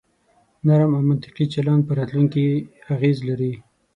نرم او منطقي چلن په راتلونکي اغیز لري.